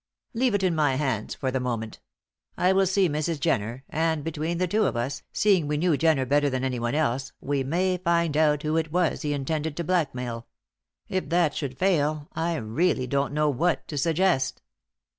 "Leave it in my hands for the moment. I will see Mrs. Jenner, and between the two of us, seeing we knew Jenner better than anyone else, we may find out who it was he intended to blackmail. If that should fail, I really don't know what to suggest.